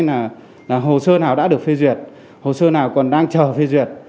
nên là hồ sơ nào đã được phê duyệt hồ sơ nào còn đang chờ phê duyệt